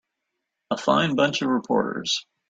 A fine bunch of reporters.